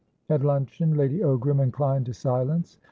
At luncheon Lady Ogram inclined to silence.